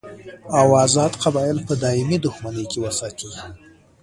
او ازاد قبایل په دایمي دښمنۍ کې وساتي.